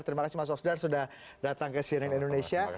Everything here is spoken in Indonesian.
terima kasih mas osdar sudah datang ke cnn indonesia